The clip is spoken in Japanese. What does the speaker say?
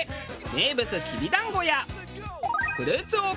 名物きびだんごやフルーツ王国